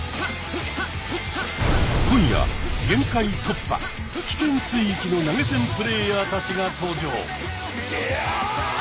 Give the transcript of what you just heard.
今夜限界突破危険水域の投げ銭プレーヤーたちが登場。